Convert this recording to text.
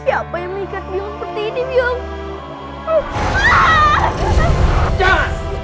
siapa yang mengikat biongkoh seperti ini biongkoh